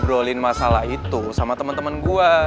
gue udah obrolin masalah itu sama temen temen gue